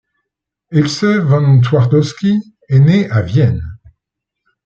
Ilse von Twardowski est née à Vienne.